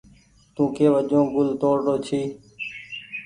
تو ڪي وجون گل توڙ رو ڇي۔